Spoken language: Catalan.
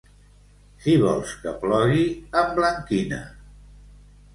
Si vols que plogui, emblanquina.